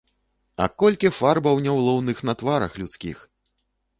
А колькі фарбаў няўлоўных на тварах людскіх!